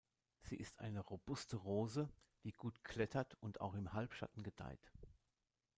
Sie ist eine robuste Rose, die gut klettert und auch im Halbschatten gedeiht.